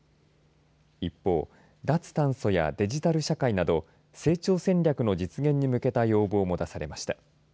一方、脱炭素やデジタル社会など成長戦略の実現に向けた要望も出されました。